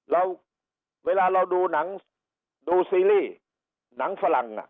เวลาเราดูหนังดูซีรีส์หนังฝรั่ง